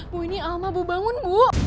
bu ini alma bu bangun bu